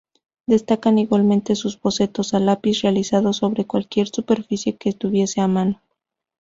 Destacan igualmente sus bocetos a lápiz, realizados sobre cualquier superficie que tuviese a mano.